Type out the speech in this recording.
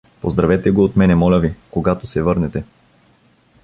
Поздравете го от мене, моля ви, когато се върнете.